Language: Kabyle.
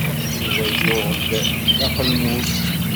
Yuba yuɣ-d taqelmut.